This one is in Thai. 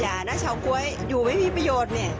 นะเฉาก๊วยอยู่ไม่มีประโยชน์เนี่ย